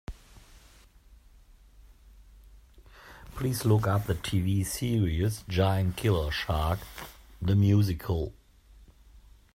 Please look up the TV series Giant Killer Shark: The Musical.